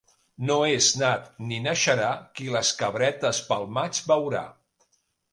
No és nat ni naixerà qui les Cabretes pel maig veurà.